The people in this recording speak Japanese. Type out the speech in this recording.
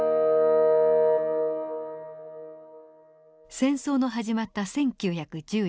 戦争の始まった１９１４年。